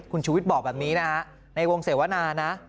คุณชุวิตบอกแบบนี้นะในวงเศวนานะ